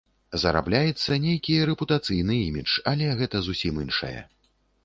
Зарабляецца нейкі рэпутацыйны імідж, але гэта зусім іншае.